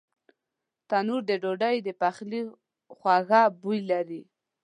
تنور د ډوډۍ د پخلي خواږه بوی لري